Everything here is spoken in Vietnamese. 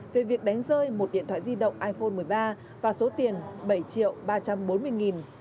về việc đánh rơi một điện thoại di động iphone một mươi ba và số tiền bảy triệu ba trăm bốn mươi nghìn